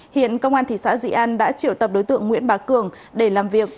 hiện công an thị xã dị an đã triệu tập đối tượng nguyễn bá cường để làm việc